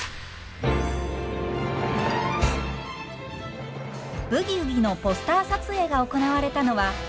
「ブギウギ」のポスター撮影が行われたのはレトロな長屋。